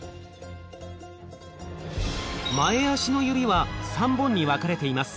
前足の指は３本に分かれています。